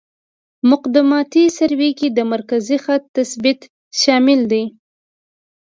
مقدماتي سروې کې د مرکزي خط تثبیت شامل دی